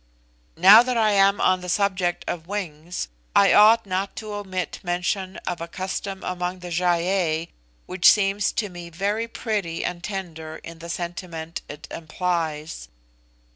Now that I am on the subject of wings, I ought not to omit mention of a custom among the Gy ei which seems to me very pretty and tender in the sentiment it implies.